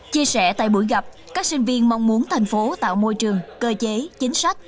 chia sẻ tại buổi gặp các sinh viên mong muốn thành phố tạo môi trường cơ chế chính sách